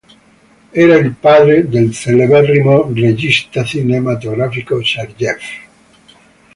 Era il padre del celeberrimo regista cinematografico Sergej.